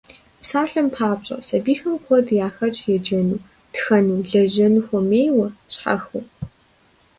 Псалъэм папщӀэ, сабийхэм куэд яхэтщ еджэну, тхэну, лэжьэну хуэмейуэ, щхьэхыу.